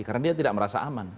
karena dia tidak merasa aman